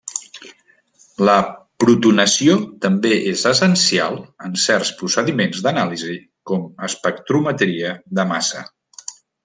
La protonació també és essencial en certs procediments d'anàlisi com espectrometria de massa.